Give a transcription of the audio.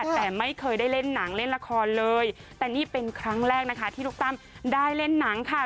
แต่ไม่เคยได้เล่นหนังเล่นละครเลยแต่นี่เป็นครั้งแรกนะคะที่ลูกตั้มได้เล่นหนังค่ะ